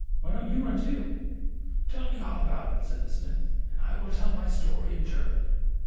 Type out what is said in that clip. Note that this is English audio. Why don't you run, too ?"' Tell me all about it," said the smith, and I will tell my story in turn."